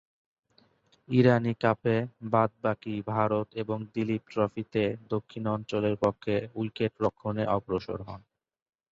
ইরানী কাপে বাদ-বাকী ভারত এবং দিলীপ ট্রফিতে দক্ষিণ অঞ্চলের পক্ষে উইকেট-রক্ষণে অগ্রসর হন।